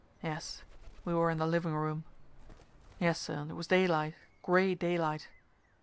Yes, we were in the living room. Yes, sir, it was daylight gray daylight.